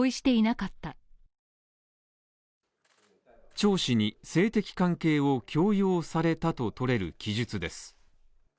張氏に性的関係を強要されたと取れる記述です。